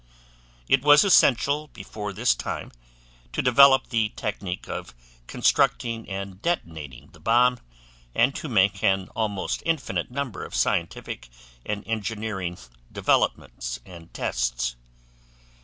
It was essential before this time to develop the technique of constructing and detonating the bomb and to make an almost infinite number of scientific and engineering developments and tests.